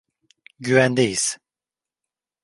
Güvendeyiz.